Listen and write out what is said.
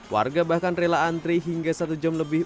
warga bahkan rela antri hingga satu jam lebih